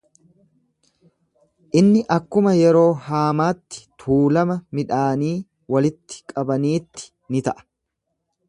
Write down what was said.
Inni akkuma yeroo haamaatti tuulama midhaanii walitti qabaniitti ni ta'a.